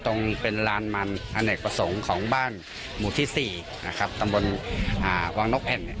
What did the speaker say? ตรงเป็นลานมันอเนกประสงค์ของบ้านหมู่ที่๔ตำบลวางนกแอ่น